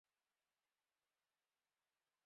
Por tanto, se colocó cuarto en el campeonato de pilotos.